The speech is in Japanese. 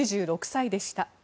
９６歳でした。